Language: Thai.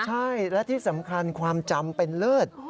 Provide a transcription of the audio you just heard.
ใช่และที่สำคัญความจำเป็นเลิศ